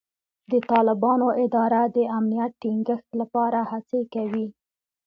د طالبانو اداره د امنیت ټینګښت لپاره هڅې کوي.